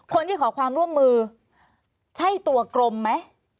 ขอความร่วมมือใช่ตัวกรมไหม